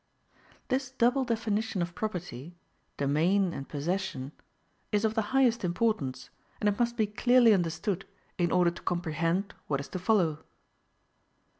This double definition of property domain and possession is of the highest importance; and it must be clearly understood, in order to comprehend what is to follow.